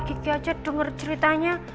gigi aja denger ceritanya